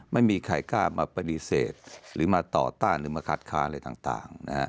ไม่มีใครกล้ามาปฏิเสธหรือมาต่อต้านหรือมาขัดค้าอะไรต่าง